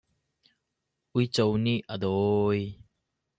Uico nih a dawi.